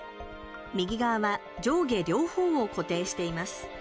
右側は上下両方を固定しています。